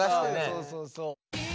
そうそうそう。